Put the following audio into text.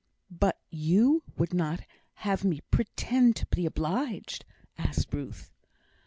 "But you would not have me pretend to be obliged?" asked Ruth.